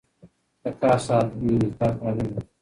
د کار ساعتونو انعطاف اړین دی.